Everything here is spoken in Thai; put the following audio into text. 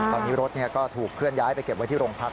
ตอนนี้รถก็ถูกเคลื่อนย้ายไปเก็บไว้ที่โรงพัก